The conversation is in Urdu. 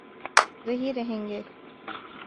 وہی رہیں گے۔